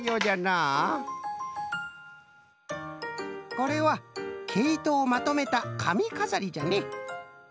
これはけいとをまとめたかみかざりじゃね。